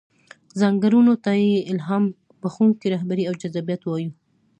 ځانګړنو ته يې الهام بښونکې رهبري او جذابيت وايو.